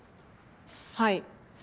はい。